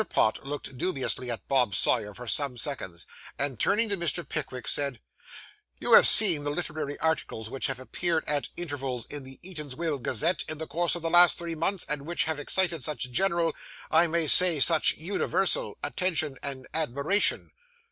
Pott looked dubiously at Bob Sawyer for some seconds, and, turning to Mr. Pickwick, said 'You have seen the literary articles which have appeared at intervals in the Eatanswill Gazette in the course of the last three months, and which have excited such general I may say such universal attention and admiration?